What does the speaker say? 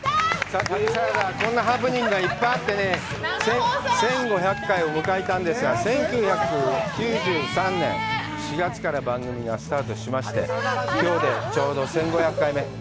さあ、旅サラダはこんなハプニングがいっぱいあってね、１５００回を迎えたんですが、１９９３年４月から番組がスタートしまして、きょうで、ちょうど１５００回目。